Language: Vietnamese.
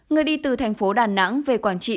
người đi từ thành phố đà nẵng về quảng trị